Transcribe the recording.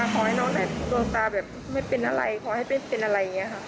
ก็พาวนะ